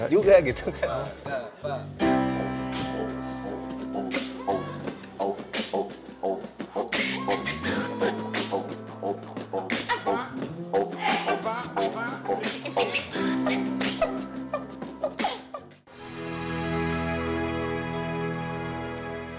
ada juga gitu kan